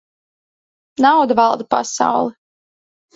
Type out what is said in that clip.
Nauda valda pasauli.